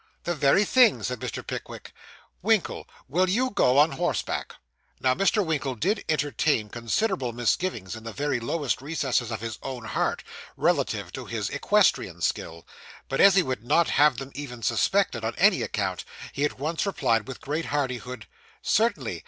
'The very thing,' said Mr. Pickwick. 'Winkle, will you go on horseback?' Now Mr. Winkle did entertain considerable misgivings in the very lowest recesses of his own heart, relative to his equestrian skill; but, as he would not have them even suspected, on any account, he at once replied with great hardihood, 'Certainly.